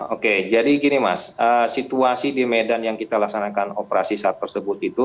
oke jadi gini mas situasi di medan yang kita laksanakan operasi saat tersebut itu